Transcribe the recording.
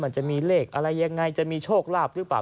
มันจะมีเลขอะไรยังไงจะมีโชคลาภหรือเปล่า